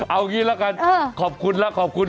เอางี้ละกันขอบคุณแล้วขอบคุณ